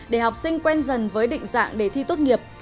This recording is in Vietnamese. để học sinh quen dần với định dạng để thi tốt nghiệp